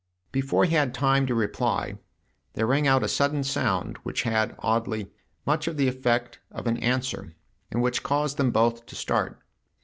" Before he had time to reply there rang out a sudden sound which had, oddly, much of the effect of an answer and which caused them both to start.